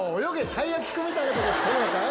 たいやきくん』みたいなことしてるのかい？